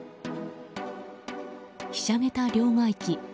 ひしゃげた両替機。